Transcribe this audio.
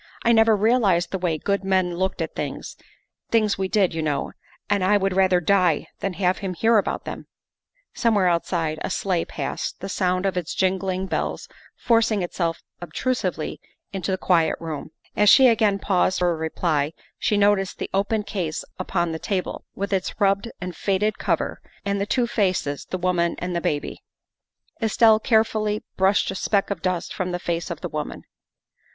I never realized the way good men looked at things, things we did, you know, and I would rather die than have him hear about them." 11 162 THE WIFE OF Somewhere outside a sleigh passed, the sound of its jingling bells forcing itself obtrusively into the quiet room. As she again paused for a reply she noticed the open case upon the table, with its rubbed and faded cover and the two faces, the woman and the baby. Estelle carefully brushed a speck of dust from the face of the woman.